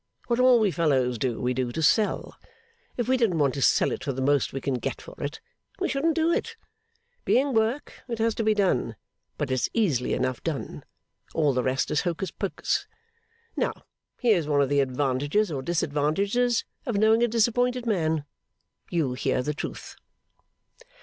What all we fellows do, we do to sell. If we didn't want to sell it for the most we can get for it, we shouldn't do it. Being work, it has to be done; but it's easily enough done. All the rest is hocus pocus. Now here's one of the advantages, or disadvantages, of knowing a disappointed man. You hear the truth.